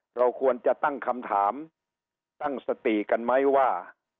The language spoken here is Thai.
เราควรจะตั้งคำถามตั้งสติกันไหมว่า